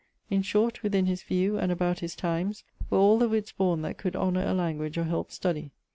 In short, within his view, and about his times, were all the wits borne that could honour a language or helpe study.